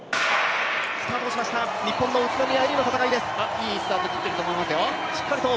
いいスタート切ってると思いますよ。